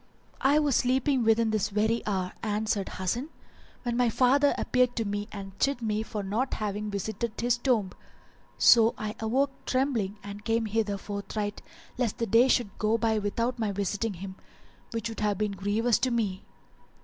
"I was sleeping within this very hour," answered Hasan, "when my father appeared to me and chid me for not having visited his tomb; so I awoke trembling and came hither forthright lest the day should go by without my visiting him, which would have been grievous to me."